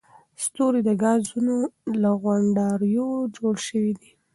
ستوري د ګازونو له غونډاریو جوړ شوي دي.